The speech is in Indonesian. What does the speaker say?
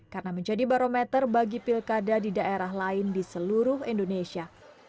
karena menjadi barometer bagi pilkada di daerah lain di seluruh indonesia